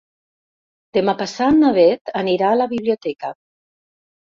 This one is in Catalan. Demà passat na Bet anirà a la biblioteca.